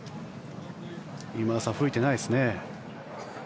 今田さん吹いてないですね。